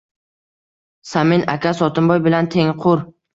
Samin aka Sotimboy bilan tengqur.